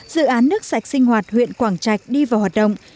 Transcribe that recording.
dự án nước sạch sinh hoạt huyện quảng trạch đi vào hoạt động